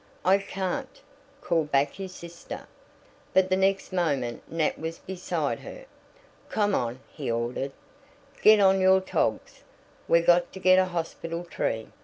"I can't!" called back his sister, but the next moment Nat was beside her. "Come on," he ordered, "get on your togs. We've got to get a hospital tree.